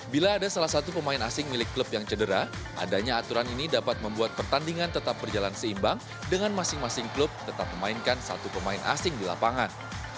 bila ada salah satu pemain asing milik klub yang cedera adanya aturan ini dapat membuat pertandingan tetap berjalan seimbang dengan masing masing klub tetap memainkan satu pemain asing di lapangan